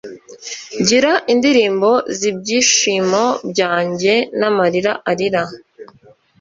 gira indirimbo zibyishimo byanjye, n'amarira arira